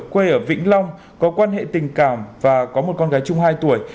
quê ở vĩnh long có quan hệ tình cảm và có một con gái chung hai tuổi